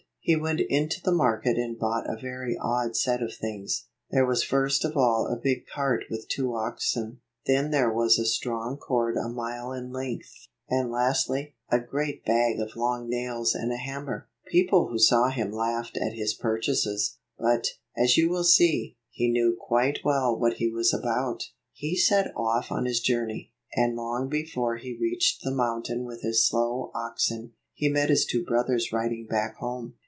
He went into the market and bought a very odd set of things. There was first of all a big cart with two oxen; then there was a strong cord a mile in length; and lastly, a great bag of long nails and a hammer. People who saw him laughed at his pur chases; but, as you will see, he knew quite well what he was about. 148 He set off on his journey, and long before he reached the mountain with his slow oxen, he met his two brothers riding back home.